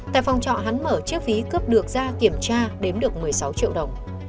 tại phòng trọ hắn mở chiếc ví cướp được ra kiểm tra đếm được một mươi sáu triệu đồng